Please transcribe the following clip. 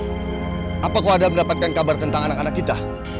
macam crazy kabar tentang anak anak kita